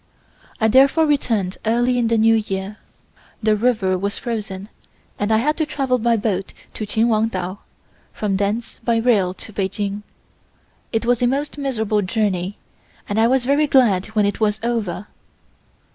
I therefore returned early in the New Year. The river was frozen and I had to travel by boat to Chinwantao, from thence by rail to Peking. It was a most miserable journey and I was very glad when it was over.